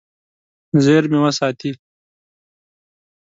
زیرمې وساتي.